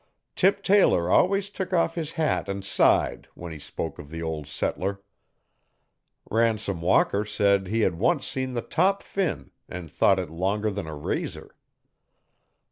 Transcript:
Tip Taylor always took off his hat and sighed when he spoke of the 'ol' settler'. Ransom Walker said he had once seen his top fin and thought it longer than a razor.